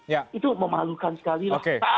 itu memalukan sekali lah